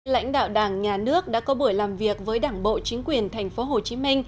lãnh đạo đảng nhà nước đã có buổi làm việc với đảng bộ chính quyền tp hcm